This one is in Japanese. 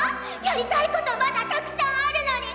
やりたいことまだたくさんあるのに！